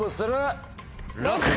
ＬＯＣＫ！